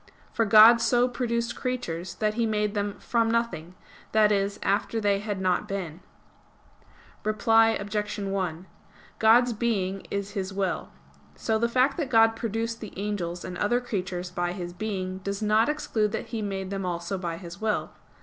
For God so produced creatures that He made them "from nothing"; that is, after they had not been. Reply Obj. 1: God's being is His will. So the fact that God produced the angels and other creatures by His being does not exclude that He made them also by His will.